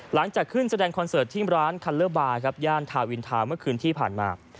หลังจากขึ้นแสดงคอนเสิร์ตที่ร้านคัลเลอร์บาร์ครับย่านทาวินทาเมื่อคืนที่ผ่านมา